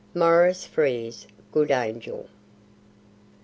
MAURICE FRERE'S GOOD ANGEL.